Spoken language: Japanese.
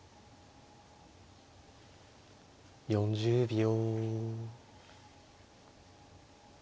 ４０秒。